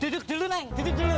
duduk dulu neng duduk dulu